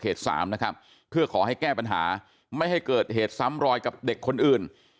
สามนะครับเพื่อขอให้แก้ปัญหาไม่ให้เกิดเหตุซ้ำรอยกับเด็กคนอื่น